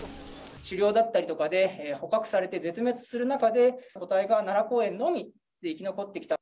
狩猟だったりとかで、捕獲されて絶滅する中で、個体が奈良公園のみで生き残ってきたと。